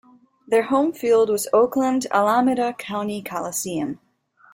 Their home field was Oakland-Alameda County Coliseum.